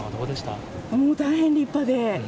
もう大変立派で。